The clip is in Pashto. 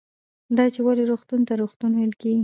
دا چې ولې روغتون ته روغتون ویل کېږي